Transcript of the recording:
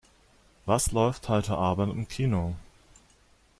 Was läuft heute Abend im Kino?